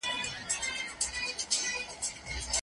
لارښود استاد باید څېړونکي ته بشپړه خپلواکي ورکړي.